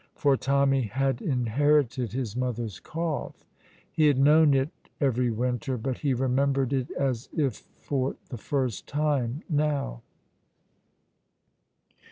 For Tommy had inherited his mother's cough; he had known it every winter, but he remembered it as if for the first time now.